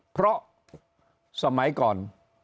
เพราะสมัยก่อน